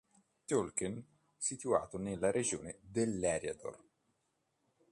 Tolkien, situato nella regione dell'Eriador.